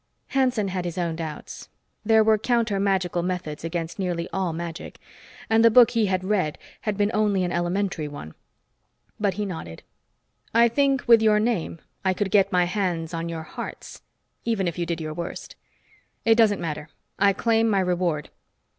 Hanson had his own doubts. There were counter magical methods against nearly all magic, and the book he had read had been only an elementary one. But he nodded. "I think with your name I could get my hands on your hearts, even if you did your worst. It doesn't matter. I claim my reward."